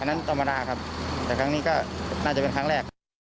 อันนั้นธรรมดาครับแต่ครั้งนี้ก็น่าจะเป็นครั้งแรก